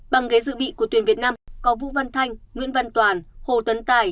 bằng ghế dự bị của tuyển việt nam có vũ văn thanh nguyễn văn toàn hồ tấn tài